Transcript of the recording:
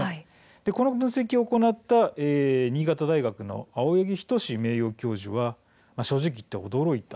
この分析を行った新潟大学の青柳斉名誉教授は「正直言って驚いた。